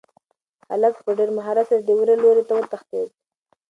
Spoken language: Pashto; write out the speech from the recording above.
هلک په ډېر مهارت سره د وره لوري ته وتښتېد.